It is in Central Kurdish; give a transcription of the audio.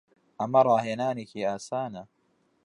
ئەمە ڕاهێنانێکی ئاسانە.